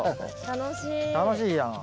楽しいやん。